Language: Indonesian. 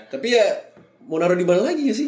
tapi ya mau naruh di mana lagi sih